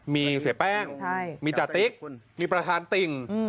มีเสียแป้งมีจติ๊กมีประธานติ่ง